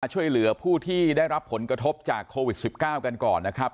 ช่วยเหลือผู้ที่ได้รับผลกระทบจากโควิด๑๙กันก่อนนะครับ